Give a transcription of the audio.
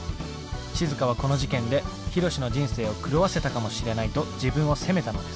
しずかはこの事件でヒロシの人生を狂わせたかもしれないと自分を責めたのです。